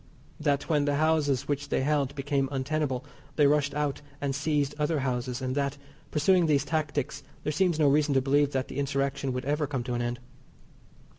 That when the houses which they held became untenable they rushed out and seized other houses, and that, pursuing these tactics, there seemed no reason to believe that the Insurrection would ever come to an end.